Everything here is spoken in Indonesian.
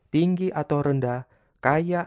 tinggi atau rendah kaya atau miskin